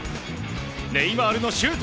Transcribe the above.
ネイマールのシュート。